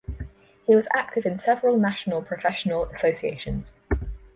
He was active in several national professional associations.